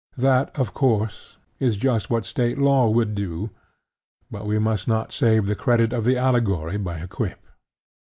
That, of course, is just what State Law would do; but we must not save the credit of the allegory by a quip.